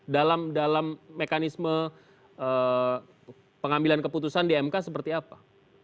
dalam mekanisme pengambilan keputusan di mk seperti apa